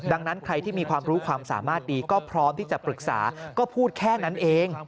ดังนั้นใครที่มีความรู้ความสามารถดีก็พร้อมที่จะปรึกษาก็พูดแค่นั้นเอง